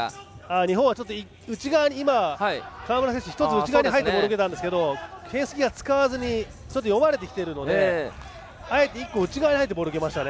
日本は今、川村選手が少し内側に入ってボールを受けたんですけどフェンス際を使わずに読まれてきているのであえて１個、内側でボールを受けました。